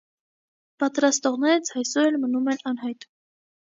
Պատրաստողները ցայսօր էլ մնում են անհայտ։